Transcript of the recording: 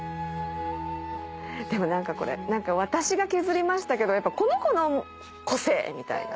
でも何かこれ私が削りましたけどやっぱこの子の個性みたいな。